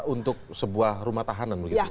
untuk sebuah rumah tahanan